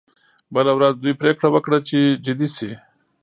بله ورځ دوی پریکړه وکړه چې جدي شي